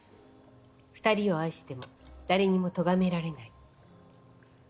２人を愛しても誰にもとがめられない。